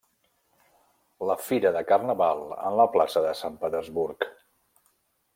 La fira de carnaval en la plaça de Sant Petersburg.